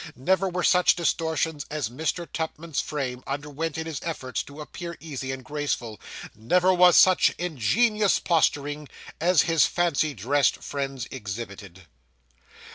Never were such distortions as Mr. Tupman's frame underwent in his efforts to appear easy and graceful never was such ingenious posturing, as his fancy dressed friends exhibited.